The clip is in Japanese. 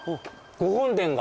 ご本殿が。